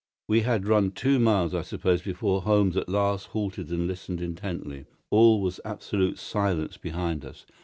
We had run two miles, I suppose, before Holmes at last halted and listened intently. All was absolute silence behind us.